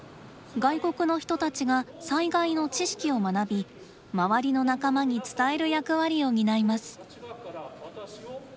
外国の人たちが災害の知識を学び周りの仲間に伝える役割を担います。